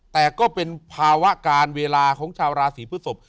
แต่ก็เป็นภาวะการเวลาของชาวราศีพฤศพ